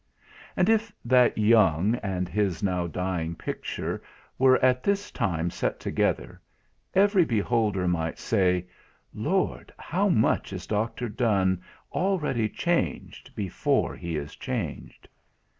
And if that young, and his now dying picture were at this time set together, every beholder might say, "Lord! how much is Dr. Donne already changed, before he is changed!"